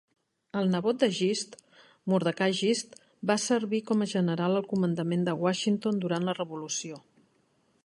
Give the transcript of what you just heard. El nebot de Gist, Mordecai Gist, va servir com a general al comandament de Washington durant la Revolució.